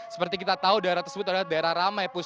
seperti kita tahu daerah tersebut adalah daerah ramai